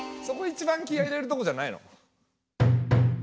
そこいちばん気合い入れるとこじゃないの？